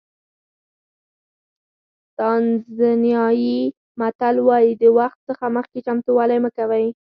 تانزانیایي متل وایي د وخت څخه مخکې چمتووالی مه کوئ.